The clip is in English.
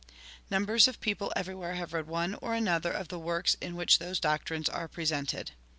Numbers of people everywhere have read one or another of the works in which those doctrines are presented.